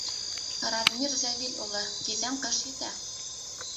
— Радмир Зәвил улы, тиҙҙән ҡыш етә.